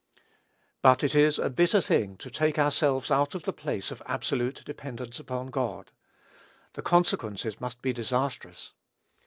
But it is a bitter thing to take ourselves out of the place of absolute dependence upon God. The consequences must be disastrous.